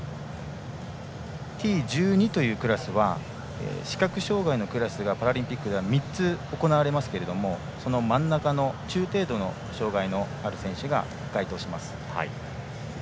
Ｔ１２というクラスは視覚障がいのクラスがパラリンピックでは３つ、行われますがその真ん中の中程度の障がいのある選手が該当します。